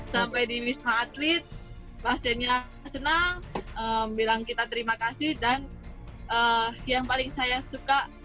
sampai di wisma atlet pasiennya senang bilang kita terima kasih dan yang paling saya suka